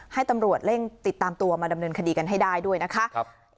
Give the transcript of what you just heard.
ให้ตำรวจเร่งติดตามตัวมาดำเนินคดีกันให้ได้ด้วยนะคะ